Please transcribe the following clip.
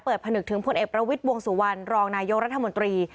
เปิดผนึกถึงพเอประวิทบวงสุวรรณรองนายโยงรัฐมนตรี